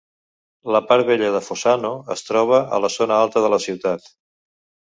La part vella de Fossano es troba a la zona alta de la ciutat.